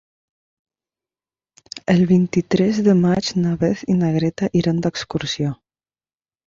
El vint-i-tres de maig na Beth i na Greta iran d'excursió.